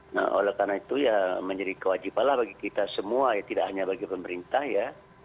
nah oleh karena itu ya menjadi kewajiban lah bagi kita semua ya tidak hanya bagi pemerintah ya